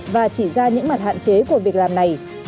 và chỉ ra những mặt hạn chế của việc làm này